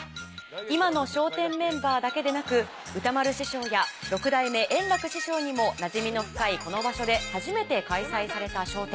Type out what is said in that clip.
今の笑点メンバーだけでなく歌丸師匠や六代目円楽師匠にもなじみの深いこの場所で初めて開催された『笑点』。